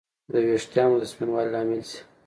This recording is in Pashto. د ویښتانو د سپینوالي لامل شي